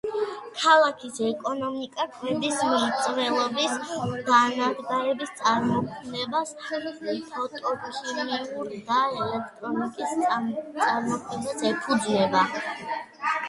ქალაქის ეკონომიკა კვების მრეწველობის დანადგარების წარმოებას, ფოტოქიმიურ და ელექტრონიკის წარმოებას ეფუძნება.